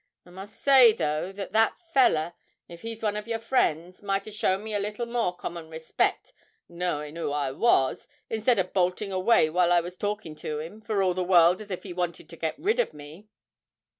I must say, though, that that feller, if he's one of your friends, might a' shown me a little more common respect, knowing 'oo I was, instead o' bolting away while I was talkin' to him, for all the world as if he wanted to get rid of me.'